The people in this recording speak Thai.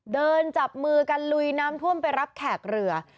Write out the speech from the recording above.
เดินจับมือกันลุยน้ำท่วมไปรับแขกเรือ